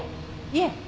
いえ。